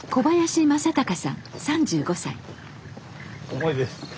重いです。